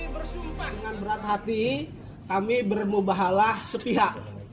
dengan berat hati kami bermubahalah sepihak